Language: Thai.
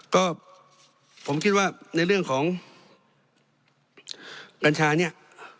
ก็ผมคิดว่าในเรื่องของกัญชาเนี่ย